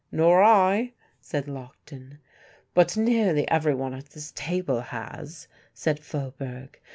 "Nor I," said Lockton. "But nearly everyone at this table has," said Faubourg.